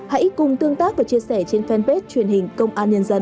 hãy cùng tương tác và chia sẻ trên fanpage truyền hình công an nhân dân